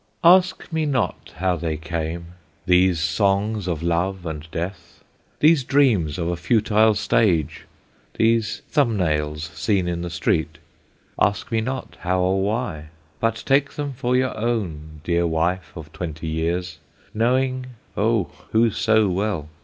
Ask me not how they came, These songs of love and death, These dreams of a futile stage, These thumb nails seen in the street: Ask me not how nor why, But take them for your own, Dear Wife of twenty years, Knowing O, who so well?